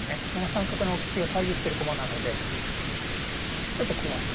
７三角の利きを遮ってる駒なのでちょっと怖い。